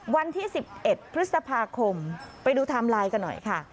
วันที่๑๑พฤษภาคมไปดูไทม์ไลน์กันหน่อยค่ะ